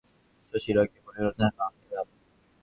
শশী রাগিয়া বলিল, নাই বা এলাম!